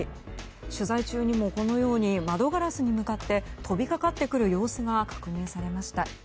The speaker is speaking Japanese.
取材中にも、窓ガラスに向かってとびかかってくる様子が確認されました。